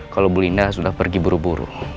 kalau bu linda sudah pergi buru buru